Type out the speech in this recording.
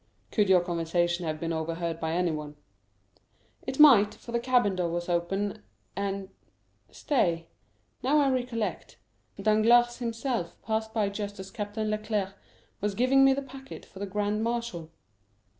"Could your conversation have been overheard by anyone?" "It might, for the cabin door was open—and—stay; now I recollect,—Danglars himself passed by just as Captain Leclere was giving me the packet for the grand marshal."